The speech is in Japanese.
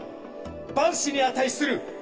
万死に値する！